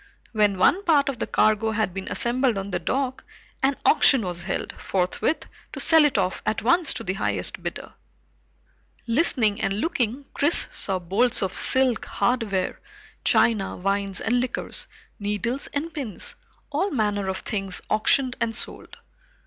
When one part of the cargo had been assembled on the dock, an auction was held forthwith to sell it off at once to the highest bidder. Listening and looking, Chris saw bolts of silk, hardware, china, wines and liquors, needles and pins all manner of things auctioned and sold.